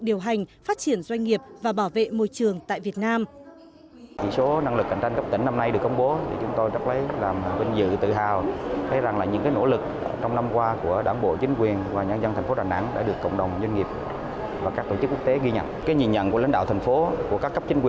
điều hành phát triển doanh nghiệp và bảo vệ môi trường tại việt nam